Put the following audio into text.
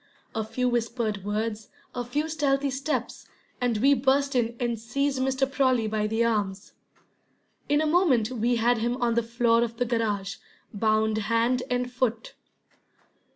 A few whispered words, a few stealthy steps, and we burst in and seized Mr. Prawley by the arms. In a moment we had him on the floor of the garage, bound hand and foot.